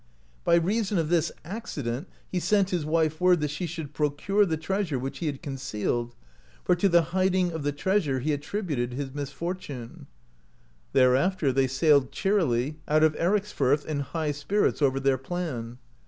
By reason of this accident he sent his wife word that she should procure the treasure which he had concealed, for to the hiding of the treasure he at tributed his misfortune (38). Thereafter they sailed cheerily out of Ericsfirth in high spirits over their plan.